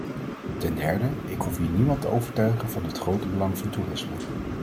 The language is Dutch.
Ten derde, ik hoef hier niemand te overtuigen van het grote belang van toerisme.